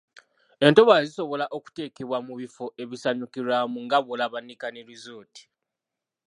Entobazi zisobola okuteekebwamu ebifo ebisanyukirwamu nga bw’olaba Nican Resort.